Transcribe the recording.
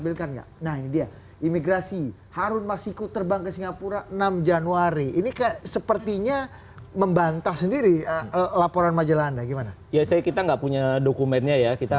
partai pdi perjuangan melindungi